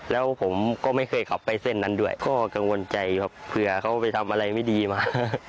แล้วผมก็ไม่เคยขับไปเส้นนั้นด้วยก็กังวลใจครับเผื่อเขาไปทำอะไรไม่ดีมา